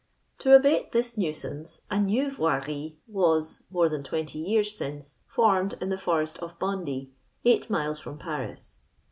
To abate this nuisance a new Yoirie was, more than 20 years since, formed in the* forest of Bondy, 8 miles from Paris.